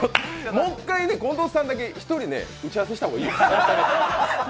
もう一回、近藤さんだけしっかり打ち合わせした方がいいよ。